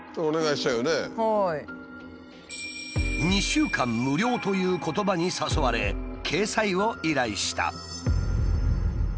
「２週間無料」という言葉に誘われ掲載を依頼した。